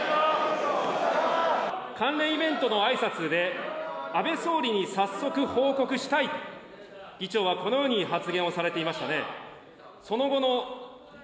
関連イベントのあいさつで、安倍総理に早速報告したい、議長はこのように発言をされていましたね。